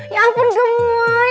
ya ampun gemoy